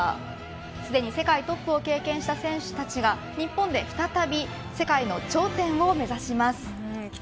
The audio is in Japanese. すでに世界トップを経験した選手たちが日本で再び世界の頂点を目指します。